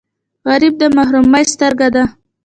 غریب د محرومۍ سترګه ده